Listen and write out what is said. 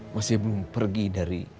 masih belum pergi dari